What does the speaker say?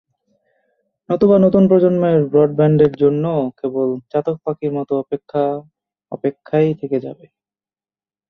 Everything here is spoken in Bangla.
নতুবা নতুন প্রজন্মের ব্রডব্যান্ডের জন্য কেবল চাতক পাখির মতো অপেক্ষা অপেক্ষাই থেকে যাবে।